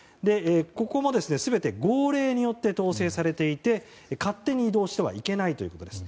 ここも全て号令によって統制されていて勝手に移動してはいけないということです。